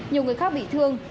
nhiều người khác bị thương